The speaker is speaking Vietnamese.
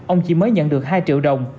ông chỉ mới nhận được hai triệu đồng